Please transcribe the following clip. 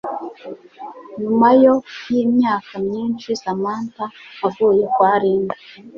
nyuma yo yimyaka myinshi Samantha avuye kwa Linda